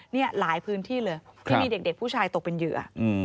นี่หลายพื้นที่เลยที่มีเด็กผู้ชายตกเป็นเหยื่อ